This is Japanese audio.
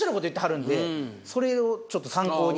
それをちょっと参考に。